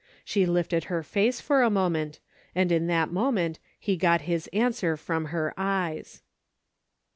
She lifted her face for a moment, and in that moment he got his answer from her eyes.